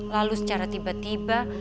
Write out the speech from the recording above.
lalu secara tiba tiba